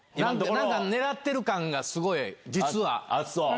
なんか狙っている感がすごい、実は。